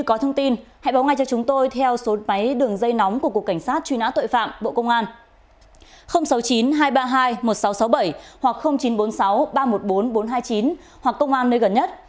cảnh sát truy nã tội phạm bộ công an sáu mươi chín hai trăm ba mươi hai một nghìn sáu trăm sáu mươi bảy hoặc chín trăm bốn mươi sáu ba trăm một mươi bốn bốn trăm hai mươi chín hoặc công an nơi gần nhất